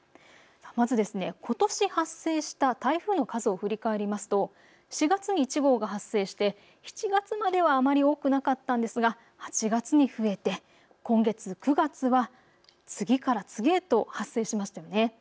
まず、ことし発生した台風の数を振り返りますと４月に１号が発生して、７月まではあまり多くなかったんですが８月に増えて今月９月は次から次へと発生しましたよね。